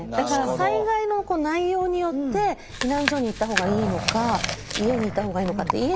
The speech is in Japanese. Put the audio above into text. だから災害の内容によって避難所に行った方がいいのか家にいた方がいいのかって。